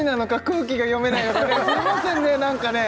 空気が読めないのかね